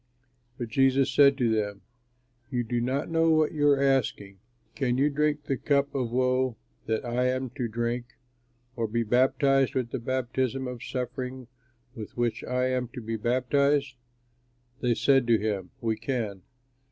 But Jesus said to them, "You do not know what you are asking. Can you drink the cup of woe that I am to drink, or be baptized with the baptism of suffering with which I am to be baptized?" They said to him, "We can."